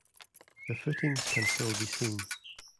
The footings can still be seen.